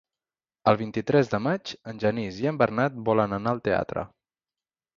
El vint-i-tres de maig en Genís i en Bernat volen anar al teatre.